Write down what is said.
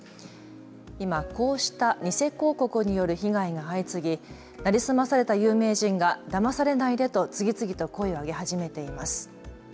今こうした偽広告による被害が相次ぎ、成り済まされた有名人がだまされないでと次々と声を上げ始めています。